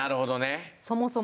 そもそも。